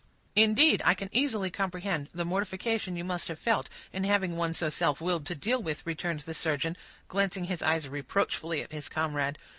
"Indeed, I can easily comprehend the mortification you must have felt in having one so self willed to deal with," returned the surgeon, glancing his eyes reproachfully at his comrade.